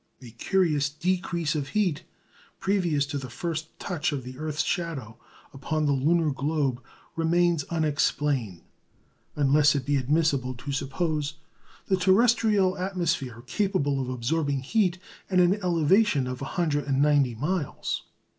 A curious decrease of heat previous to the first touch of the earth's shadow upon the lunar globe remains unexplained, unless it be admissible to suppose the terrestrial atmosphere capable of absorbing heat at an elevation of 190 miles.